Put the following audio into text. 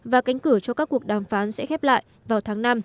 và cánh cửa cho các cuộc đàm phán sẽ khép lại vào tháng năm